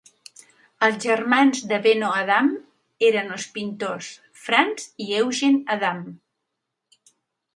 Els germans de Benno Adam eren els pintors Franz i Eugen Adam.